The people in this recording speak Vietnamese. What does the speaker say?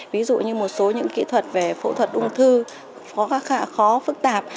ví dụ như một số những kỹ thuật về phẫu thuật ung thư có khó phức tạp